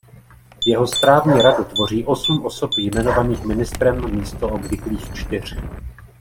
Jeho správní radu tvoří osm osob jmenovaných ministrem místo obvyklých čtyř.